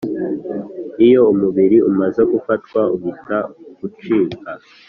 iyo umubiri umaze gufatwa uhita gucika